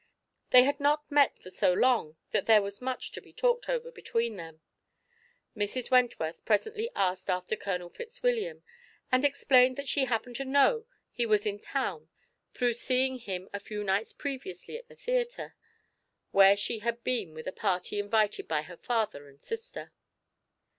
They had not met for so long that there was much to be talked over between them. Mrs. Wentworth presently asked after Colonel Fitzwilliam, and explained that she happened to know he was in town through seeing him a few nights previously at the theatre, where she had been with a party invited by her father and sister.